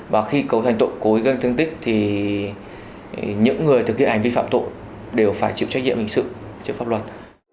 và khi cấu thành tội cố gây thương tích thì những người thực hiện ánh vi phạm tội đều phải chịu trách nhiệm hình sự chịu pháp luật